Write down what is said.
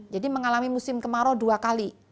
jadi mengalami musim kemarau dua kali